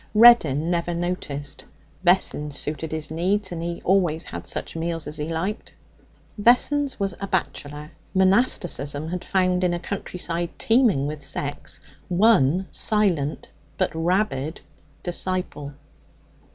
Reddin never noticed. Vessons suited his needs, and he always had such meals as he liked. Vessons was a bachelor. Monasticism had found, in a countryside teeming with sex, one silent but rabid disciple.